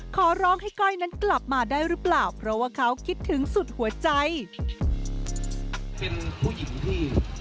ขอร้องให้ก้อยนั้นกลับมาได้รึเปล่าเพราะว่าเขาคิดถึงสุดหัวใจ